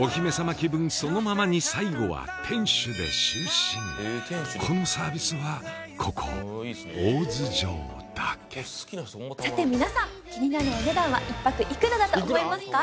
気分そのままに最後はこのサービスはここ大洲城だけさて皆さん１泊いくらだと思いますか？